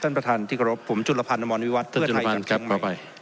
ท่านประธานที่กรบผมจุลภัณฑ์นมวิวัฒน์เพื่อไทยกลับทั้งใหม่